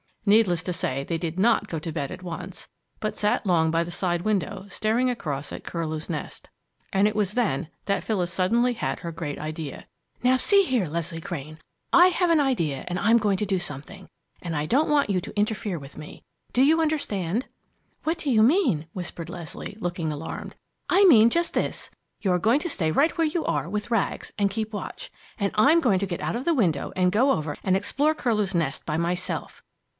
Needless to say they did not go to bed at once, but sat long by the side window, staring across at Curlew's Nest. And it was then that Phyllis suddenly had her great idea. "Now, see here, Leslie Crane, I have an idea and I'm going to do something, and I don't want you to interfere with me. Do you understand?" "What do you mean?" whispered Leslie, looking alarmed. "I mean just this. You're going to stay right where you are, with Rags, and keep watch. And I'm going to get out of the window and go over and explore Curlew's Nest by myself!"